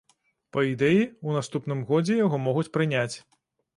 Па ідэі, у наступным годзе яго могуць прыняць.